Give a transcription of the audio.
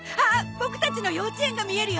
ボクたちの幼稚園が見えるよ。